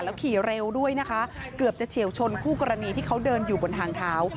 ขี่เร็วด้วยนะคะเกือบจะเฉียวชนคู่กรณีที่เขาเดินอยู่บนทางเท้า